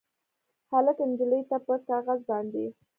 هلک نجلۍ ته پر کاغذ باندې